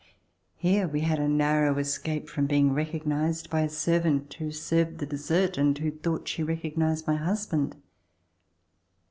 Here we had a narrow escape from being recognized by a servant who served the dessert and who thought she recognized my husband.